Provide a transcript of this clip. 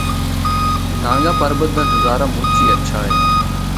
نانگا پربت دا نظارہ مُچ ہی ہچھا ہے۔